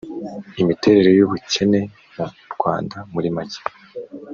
imiterere y'ubukene mu rwanda muri make.